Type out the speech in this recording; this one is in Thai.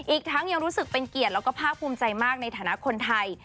อีกทั้งยังรู้สึกเป็นเกียรติแล้วก็ภาคภูมิใจมากในฐานะคนไทย